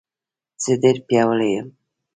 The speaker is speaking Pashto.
زه ډېر پیاوړی یم